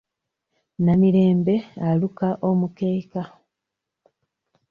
Namirembe aluka omukeeka.